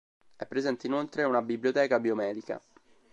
È presente inoltre una biblioteca biomedica.